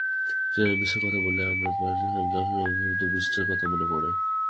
Train মিসের কথা বললেই আমার ব্রডহ্যাম জাংশনের অদ্ভুত ব্রিজটার কথা মনে পড়ে।